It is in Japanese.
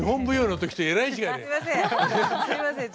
あっすいません。